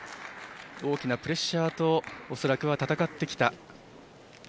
大きなプレッシャーと恐らくは戦ってきた。